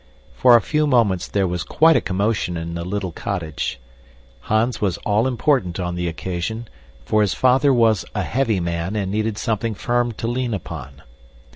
For a few moments there was quite a commotion in the little cottage. Hans was all important on the occasion, for his father was a heavy man and needed something firm to lean upon.